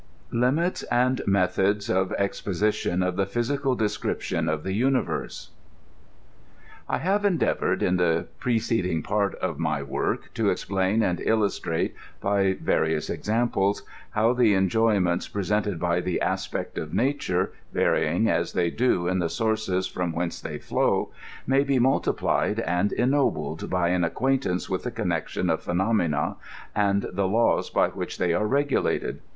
LIMITS AND METHOD OF EXPOSITION OF THE PHYSICAL DESCRIPTION OF THE UNIVERSE. I HAVE endeavored, in the preceding part of my work, to explain and illustrate, by various examples, how the enjoy ments presented by the aspect of nature, varying as they do in the sources from whence they flow, may be multiplied and ennobled by an acquaintance with the connection of phenom ena and the. laws by which they are regulated.